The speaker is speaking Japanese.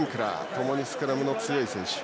ともにスクラムの強い選手。